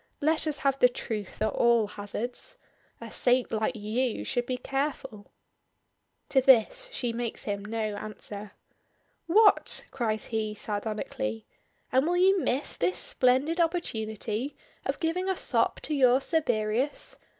Let us have the truth at all hazards. A saint like you should be careful." To this she makes him no answer. "What!" cries he, sardonically; "and will you miss this splendid opportunity of giving a sop to your Cerberus?